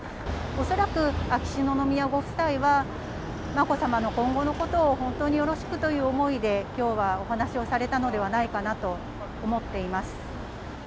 恐らく、秋篠宮ご夫妻は、まこさまの今後のことを本当によろしくという思いで、きょうはお話をされたのではないかなと思っています。